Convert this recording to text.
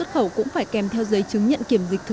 khi người ta không tự hành